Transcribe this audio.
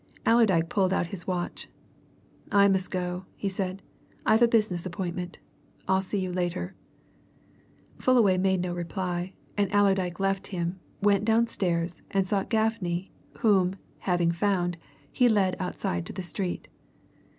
Allerdyke pulled out his watch. "I must go," he said. "I've a business appointment. I'll see you later." Fullaway made no reply, and Allerdyke left him, went downstairs and sought Gaffney, whom, having found, he led outside to the street.